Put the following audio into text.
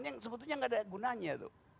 yang sebetulnya tidak ada gunanya